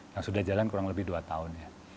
yang sudah jalan kurang lebih dua tahun ya